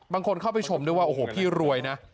บางคนเข้าไปชมด้วยว่าโอ้โหพี่รวยนะ